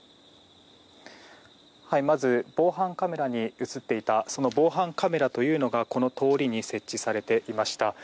まず防犯カメラに映っていたその防犯カメラがこの通りに設置されていました。